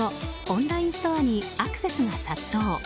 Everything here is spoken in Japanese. オンラインストアにアクセスが殺到。